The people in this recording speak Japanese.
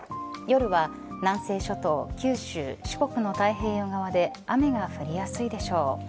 夜は南西諸島、九州四国の太平洋側で雨が降りやすいでしょう。